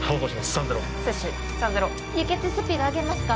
３−０輸血スピード上げますか？